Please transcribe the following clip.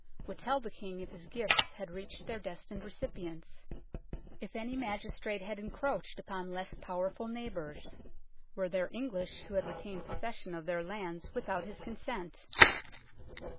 Would tell the King if his gifts had reached their destined recipients; if any magnate had 84 UNKNOWN LONDON encroached upon less powerful neighbours ; were there English who had retained possession of their lands without his consent ; 3.